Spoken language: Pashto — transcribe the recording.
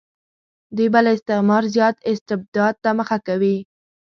دوی به له استعمار زیات استبداد ته مخه کوي.